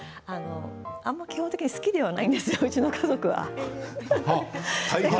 基本的にあまり好きではないんですよ、うちの家族は。